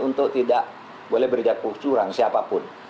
untuk tidak boleh berjakkuh curang siapapun